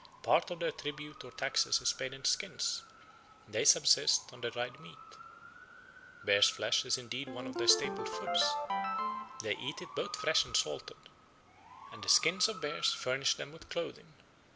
Part of their tribute or taxes is paid in skins, and they subsist on the dried meat"; bear's flesh is indeed one of their staple foods; they eat it both fresh and salted; and the skins of bears furnish them with clothing.